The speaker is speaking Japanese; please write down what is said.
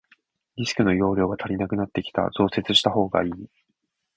ディスクの容量が足りなくなってきた、増設したほうがいい。